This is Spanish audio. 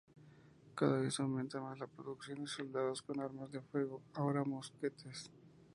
Cada vez aumenta más la proporción de soldados con armas de fuego, ahora mosquetes.